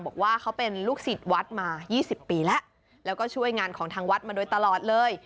บอกว่าเขาเป็นลูกศิษย์วัดมา๒๐ปีแล้วแล้วก็ช่วยงานของทางวัดมาโดยตลอดเลย